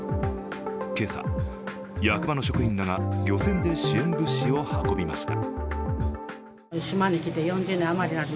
今朝、役場の職員らが漁船で支援物資を運びました。